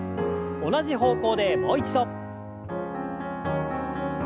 同じ方向でもう一度。